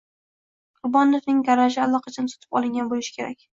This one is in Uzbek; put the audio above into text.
Qurbonovning garaji allaqachon sotib olingan bo'lishi kerak